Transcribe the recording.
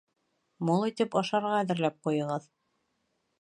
Мул итеп ашарға әҙерләп ҡуйығыҙ.